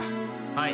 はい。